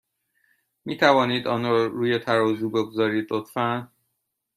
می توانید آن را روی ترازو بگذارید، لطفا؟